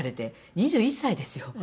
２１歳ですよ？